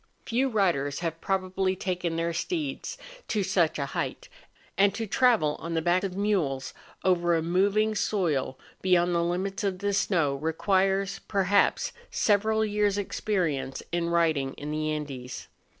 Few riders have probably taken their steeds to such a height; and to travel on the back of mules, over a moving soil beyond the limits of the snow, requires, perhaps, several years' experience in riding in the Andes.